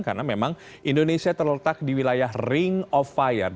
karena memang indonesia terletak di wilayah ring of fire